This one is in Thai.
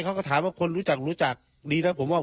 เขาก็ถามว่าคนรู้จักดีแล้วผมว่า